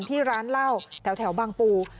ที่ร้านเหล้าแถวบางปู